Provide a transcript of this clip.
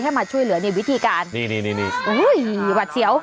มาช่วยเหลือในวิธีการนี่นี่หวัดเสียว